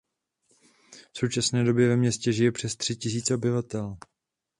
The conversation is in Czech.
V současné době ve městě žije přes tři tisíce obyvatel.